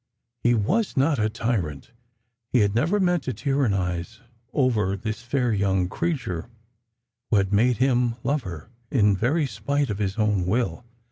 He was not a tyrant — he had never meant to tyrannise over this fair young creature who had madehim lovelier, in very spite of his own will.